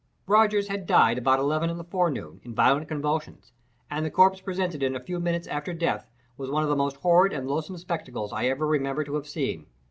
Rogers had died about eleven in the forenoon, in violent convulsions; and the corpse presented in a few minutes after death one of the most horrid and loathsome spectacles I ever remember to have seen.